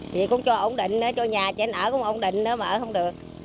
chị cũng cho ổn định đó cho nhà cho anh ở cũng ổn định đó mà ở không được